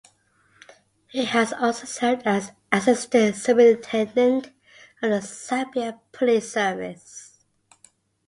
He has also served as Assistant Superintendent of the Zambia Police Service.